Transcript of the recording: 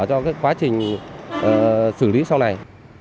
cho quá trình xử lý sau này